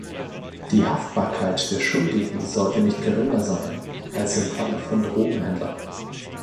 Die Haftbarkeit des Schuldigen sollte nicht geringer sein, als im Falle von Drogenhändlern.